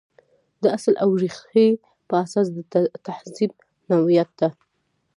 د اصل او ریښې په اساس د تهذیب نوعیت ته.